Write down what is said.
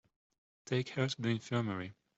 Take her to the infirmary.